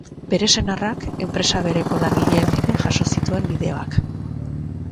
Bere senarrak, enpresa bereko langileak ere jaso zituen bideoak.